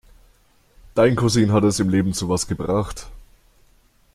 Dein Cousin hat es im Leben zu was gebracht.